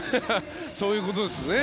そういうことですね。